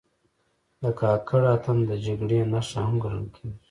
د کاکړ اتن د جګړې نښه هم ګڼل کېږي.